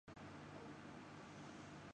میری خیال سے آپ کی آنکھیں بہت خوب ہوتی ہیں.